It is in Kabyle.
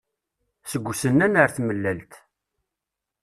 Seg usennan ar tmellalt.